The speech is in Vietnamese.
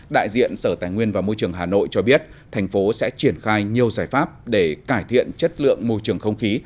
đại diện sở tài nguyên và môi trường hà nội cho biết thành phố sẽ triển khai nhiều giải pháp để cải thiện chất lượng môi trường không khí